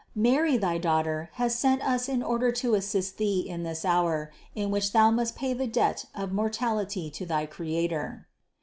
Mary thy Daughter has sent us in order to assist thee in this hour, in which thou must pay the debt of mortality to thy Creator.